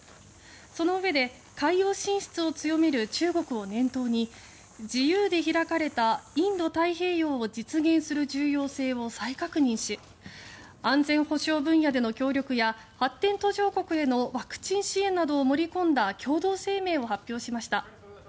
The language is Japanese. そのうえで、海洋進出を強める中国を念頭に自由で開かれたインド太平洋を実現する重要性を再確認し安全保障分野での協力や発展途上国へのワクチン支援などを盛り込んだ共同声明を発表しました。